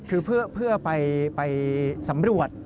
คือเพื่อไปสำรวจ